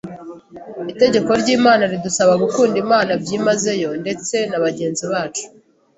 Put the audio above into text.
Itegeko ry’Imana ridusaba gukunda Imana byimazeyo ndetse na bagenzi bacu